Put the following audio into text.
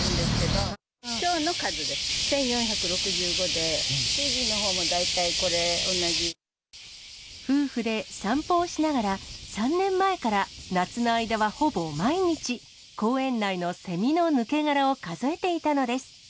１４６５で、主人のほうも大体これ、夫婦で散歩をしながら、３年前から夏の間はほぼ毎日、公園内のセミの抜け殻を数えていたのです。